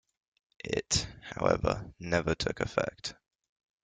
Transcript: It, however, never took effect.